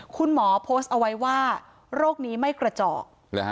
คุณหมอโพสต์เอาไว้ว่าโรคนี้ไม่กระจอก